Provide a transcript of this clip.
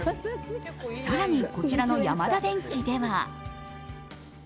更にこちらのヤマダデンキでは。